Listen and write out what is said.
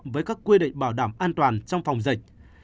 với các quy định bảo đảm an toàn trong phòng dịch